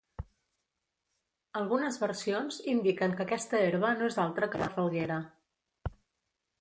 Algunes versions indiquen que aquesta herba no és altra que la falguera.